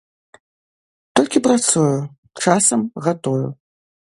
Толькі працую, часам гатую.